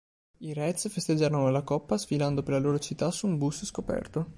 I "reds" festeggiarono la coppa sfilando per la loro città su un bus scoperto.